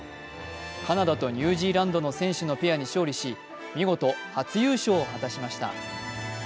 カナダとニュージーランドの選手のペアに勝利し見事、初優勝を果たしました。